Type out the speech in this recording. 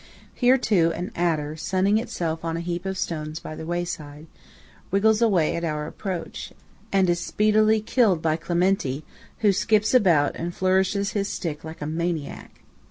Here, too, an adder, sunning itself on a heap of stones by the wayside, wriggles away at our approach, and is speedily killed by Clementi, who skips about and flourishes his stick like a maniac.